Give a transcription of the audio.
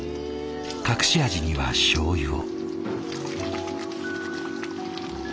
隠し味にはしょうゆを。